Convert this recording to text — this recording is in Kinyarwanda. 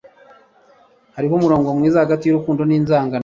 Hariho umurongo mwiza hagati yurukundo ninzangano.